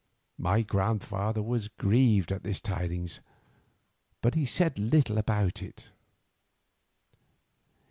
My grandfather was grieved at this tidings, but said little about it.